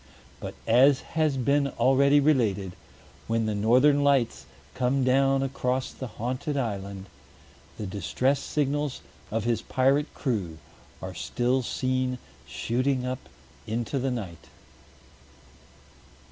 But, as has been already related, when the Northern Lights come down across the haunted island, the distress signals of his pirate crew are still seen shooting up into the night.